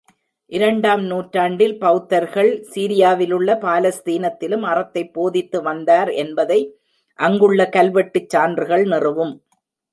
இரண்டாம் நூற்றாண்டில் பெளத்தர்கள் சிரியாவிலும் பாலஸ்தீனத்திலும் அறத்தைப் போதித்து வந்தார் என்பதை அங்குள்ள கல்வெட்டுச் சான்றுகள் நிறுவும்.